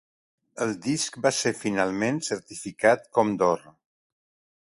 El disc va ser finalment certificat com d'or.